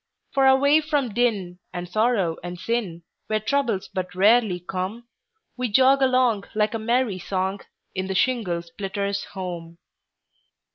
For away from din, and sorrow and sin, Where troubles but rarely come, We jog along, like a merry song, In the shingle splitter's home.